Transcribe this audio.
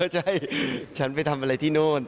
ใช่ฉันไปทำอะไรที่โน่น